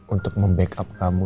untuk membackup kamu